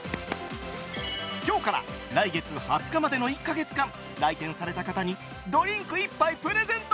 今日から来月２０日までの１か月間来店された方にドリンク１杯プレゼント。